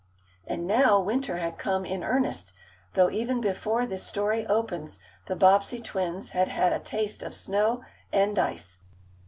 And now winter had come in earnest, though even before this story opens the Bobbsey twins had had a taste of snow and ice.